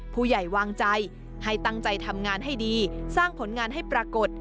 ผู้ใหญ่วางใจให้ตั้งใจทำงานให้ดีสร้างผลงานให้ปรากฏ